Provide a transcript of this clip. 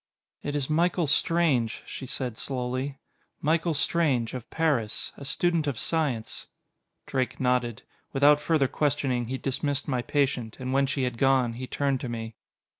"It is Michael Strange," she said slowly. "Michael Strange, of Paris. A student of science." Drake nodded. Without further questioning he dismissed my patient; and when she had gone, he turned to me.